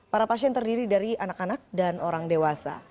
para pasien terdiri dari anak anak dan orang dewasa